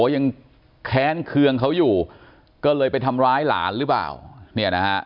ยังแค้นเคืองเขาอยู่ก็เลยไปทำร้ายหลานหรือเปล่าเนี่ยนะฮะ